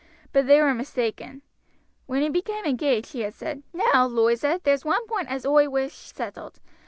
But they were mistaken. When he became engaged he had said: "Now, Loiza, there's one point as oi wish settled.